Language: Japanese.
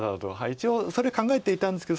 一応それ考えていたんですけど。